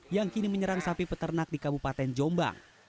yang kini menyerang sapi peternak di kabupaten jombang